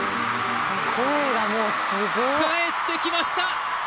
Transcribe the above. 帰ってきました！